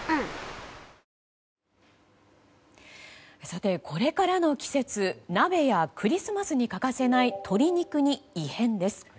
さて、これからの季節鍋やクリスマスに欠かせない鶏肉に異変です。